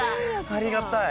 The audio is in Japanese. ありがたい。